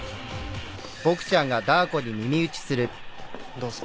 どうする？